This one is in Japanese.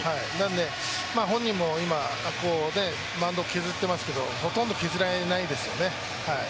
本人も今、マウンドを削っていますけど、ほとんど削られないですよね。